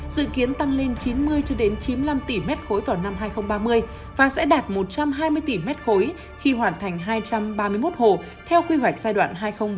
dự kiến tăng lên chín mươi chín mươi năm tỷ m ba vào năm hai nghìn ba mươi và sẽ đạt một trăm hai mươi tỷ m ba khi hoàn thành hai trăm ba mươi một hồ theo quy hoạch giai đoạn hai nghìn hai mươi một hai nghìn ba mươi